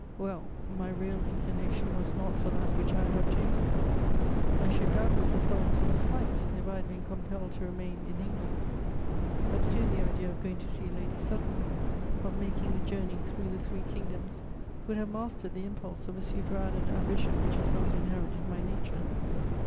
Well, my real inclination was not for that which I had obtained; I should doubtless have felt some spite, if I had been compelled to remain in England; but soon the idea of going to see Lady Sutton, of making a journey through the three kingdoms would have mastered the impulse of a superadded ambition which is not inherent in my nature.